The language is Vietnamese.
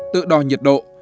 tự đo nhiệt độ